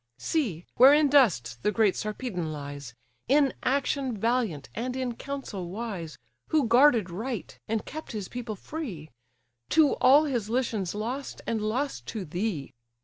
See! where in dust the great Sarpedon lies, In action valiant, and in council wise, Who guarded right, and kept his people free; To all his Lycians lost, and lost to thee!